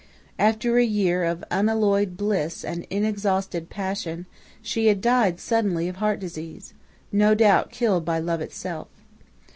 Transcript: After a year of unalloyed bliss and unexhausted passion, she had died suddenly of heart disease, no doubt killed by love itself.